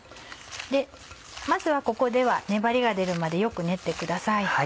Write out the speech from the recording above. まずはここでは粘りが出るまでよく練ってください。